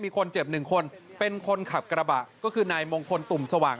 มีคนเจ็บหนึ่งคนเป็นคนขับกระบะก็คือนายมงคลตุ่มสว่าง